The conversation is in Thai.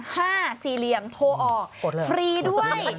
เหลี่ยมโทรออกฟรีด้วย